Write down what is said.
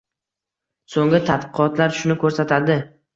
Soʻnggi tadqiqotlar shuni koʻrsatadi.